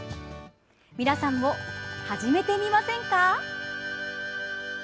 皆さんも始めてみませんか？